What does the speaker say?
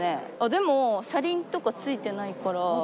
でも車輪とか付いてないから。